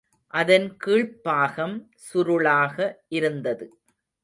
அதன் கீழ்ப்பாகம் சுருளாக இருந்தது.